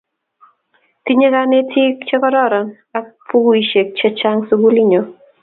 Tinye kanetik che kororon ak pukuisyek chechang' sukulit nyo